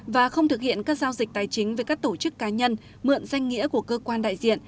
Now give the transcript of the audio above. và không thực hiện các giao dịch tài chính với các tổ chức cá nhân mượn danh nghĩa của cơ quan đại diện